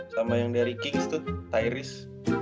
sama yang dari kings tuh tiris